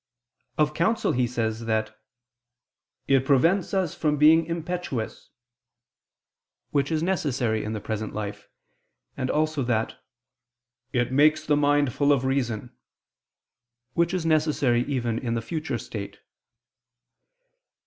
Of counsel he says that it "prevents us from being impetuous," which is necessary in the present life; and also that "it makes the mind full of reason," which is necessary even in the future state.